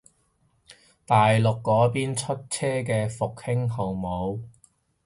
大陸嗰邊出車嘅復興號冇